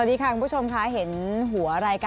สวัสดีค่ะคุณผู้ชมค่ะเห็นหัวอะไรกันครับ